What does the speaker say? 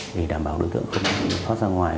để đảm bảo đối tượng không thoát ra ngoài